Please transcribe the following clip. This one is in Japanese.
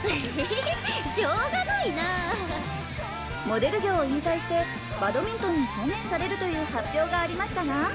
モデル業を引退してバドミントンに専念されるという発表がありましたが。